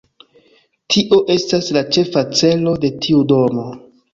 Tio estas la ĉefa celo de tiu domo.